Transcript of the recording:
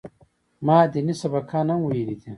ما ديني سبقان هم ويلي دي.